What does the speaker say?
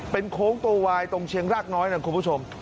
เป็นโค้งตัววายตรงเชียงรากน้อยนะคุณผู้ชม